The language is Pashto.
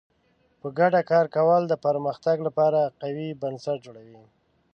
په ګډه کار کول د پرمختګ لپاره قوي بنسټ جوړوي.